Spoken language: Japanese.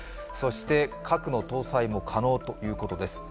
そして、核の搭載も可能ということです。